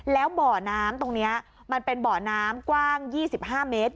แล้วบ่อน้ำตรงนี้มันเป็นบ่อน้ำกว้าง๒๕เมตร